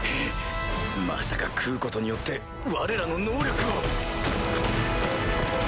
まさか食うことによってわれらの能力を！